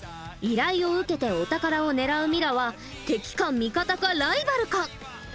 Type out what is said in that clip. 依頼を受けてお宝を狙うミラは敵か味方かライバルか？